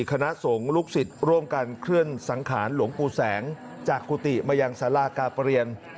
คณะสงฆ์ลูกศิษย์ร่วมกันเคลื่อนสังขารหลวงปู่แสงจากกุฏิมายังสารากาประเรียน